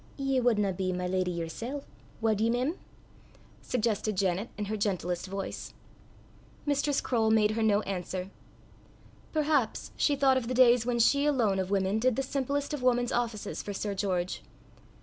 "Ye wadna be my lady yersel', wad ye, mem?" suggested Janet in her gentlest voice. Mistress Croale made her no answer. Perhaps she thought of the days when she alone of women did the simplest of woman's offices for Sir George.